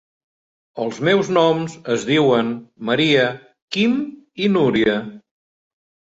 Els meus noms es diuen Maria, Quim i Núria.